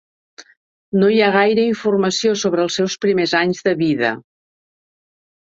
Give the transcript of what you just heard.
No hi ha gaire informació sobre els seus primers anys de vida.